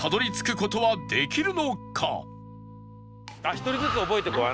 １人ずつ覚えていこう。